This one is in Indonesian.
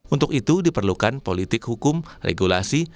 untuk itu diperlukan politik hukum regulasi